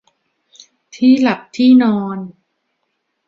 ที่หลับที่นอน